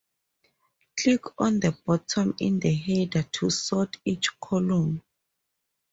Click on the button in the header to sort each column.